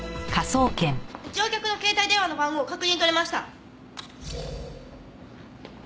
乗客の携帯電話の番号確認取れました。